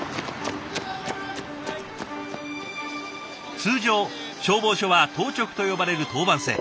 通常消防署は当直と呼ばれる当番制。